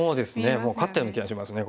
もう勝ったような気がしますね